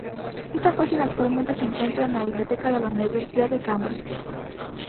Esta página actualmente se encuentra en la Biblioteca de la Universidad de Cambridge.